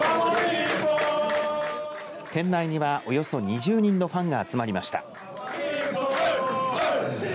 店内にはおよそ２０人のファンが集まりました。